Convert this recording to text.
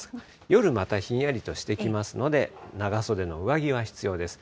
夜またひんやりとしてきますので、長袖の上着は必要です。